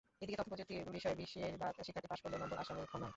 এদিকে তথ্যপ্রযুক্তি বিষয়ে বেশির ভাগ শিক্ষার্থী পাস করলেও নম্বর আশানুরূপ নয়।